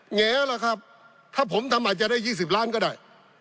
แง๋ล่ะครับถ้าผมทำอาจจะได้๒๐ล้านก็ได้